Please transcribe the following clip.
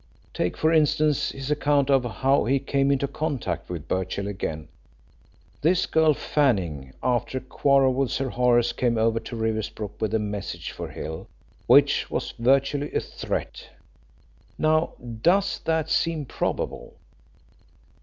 "Take, for instance, his account of how he came into contact with Birchill again. This girl Fanning, after a quarrel with Sir Horace, came over to Riversbrook with a message for Hill which was virtually a threat. Now does that seem probable?